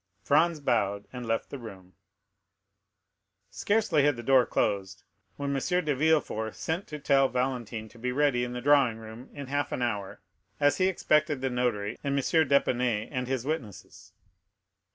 Franz bowed and left the room. Scarcely had the door closed, when M. de Villefort sent to tell Valentine to be ready in the drawing room in half an hour, as he expected the notary and M. d'Épinay and his witnesses.